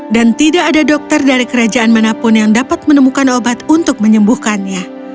dan tidak ada dokter dari kerajaan manapun yang dapat menemukan obat untuk menyembuhkannya